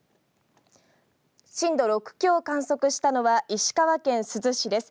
震度６強を観測したのは石川県珠洲市です。